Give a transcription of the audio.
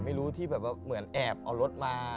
ที่แบบว่าเหมือนแอบเอารถมา